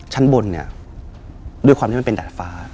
ชั้นบนเนี่ยด้วยความที่มันเป็นดาดฟ้า